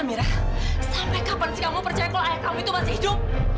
mira sampai kapan sih kamu percaya kok ayah kamu itu masih hidup